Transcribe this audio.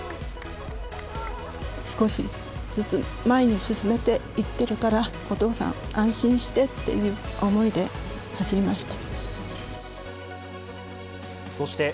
少しずつ前に進めていってるから、お父さん安心してっていう思いで走りました。